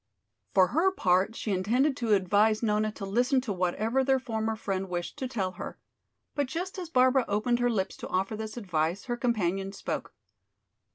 For her part she intended to advise Nona to listen to whatever their former friend wished to tell her. But just as Barbara opened her lips to offer this advice, her companion spoke.